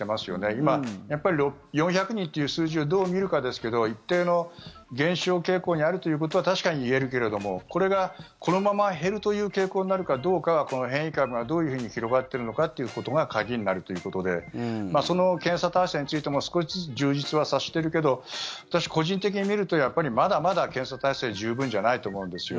今、４００人という数字をどう見るかですけど一定の減少傾向にあるということは確かに言えるけれどもこれがこのまま減るという傾向になるかどうかはこの変異株がどういうふうに広がっているのかということが鍵になるということでその検査体制についても少しずつ充実はさせているけど私、個人的に見るとやっぱりまだまだ検査体制は十分じゃないと思うんですよ。